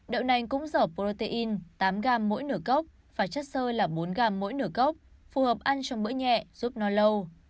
đậu nành cũng giỏ protein tám g mỗi nửa cốc và chất sơ là bốn g mỗi nửa cốc phù hợp ăn trong bữa nhẹ giúp no lâu